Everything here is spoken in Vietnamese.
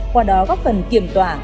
qua đó góp phần kiểm tỏa